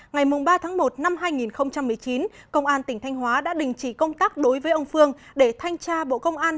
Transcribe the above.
ngày ba tháng một năm hai nghìn một mươi chín công an tỉnh thanh hóa đã đình chỉ công tác đối với ông phương để thanh tra bộ công an